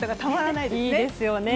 いいですよね。